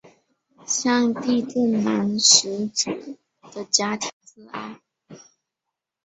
向地震男死者的家庭致哀。